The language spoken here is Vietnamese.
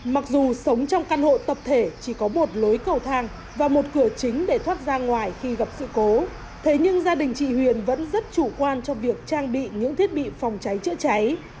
mặc dù sống trong căn hộ tập thể chỉ có một lối cầu thang và một cửa chính để thoát ra ngoài khi gặp sự cố thế nhưng gia đình chị huyền vẫn rất chủ quan cho việc trang bị những thiết bị phòng cháy chữa cháy